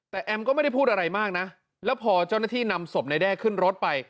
แต่แอมก็ไม่ได้พูดอะไรมากนะแล้วพอเจ้าหน้าที่นำศพนายแด้ขึ้นรถไป